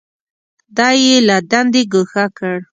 دی یې له دندې ګوښه کړ.